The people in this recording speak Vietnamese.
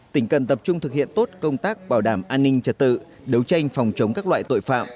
tỉnh cần tập trung thực hiện tốt công tác bảo đảm an ninh trật tự đấu tranh phòng chống các loại tội phạm